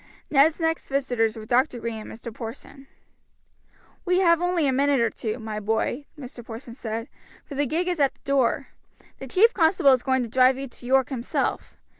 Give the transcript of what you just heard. Ned's next visitors were Dr. Green and Mr. Porson. "We have only a minute or two, my boy," Mr. Porson said, "for the gig is at the door. The chief constable is going to drive you to York himself.